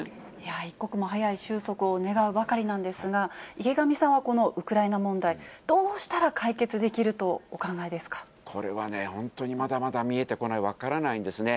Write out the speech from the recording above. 一刻も早い収束を願うばかりなんですが、池上さんはこのウクライナ問題、どうしたら解決できこれはね、本当にまだまだ見えてこない、分からないんですね。